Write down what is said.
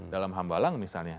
dalam hambalang misalnya